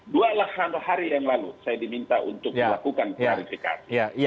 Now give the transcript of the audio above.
dua hari yang lalu saya diminta untuk melakukan klarifikasi